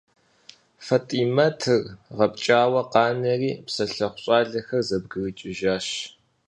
ФатӀимэтыр гъэпкӀауэ къанэри, псэлъыхъу щӀалэхэр зэбгрыкӀыжащ.